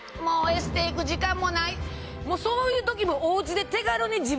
そういう時も。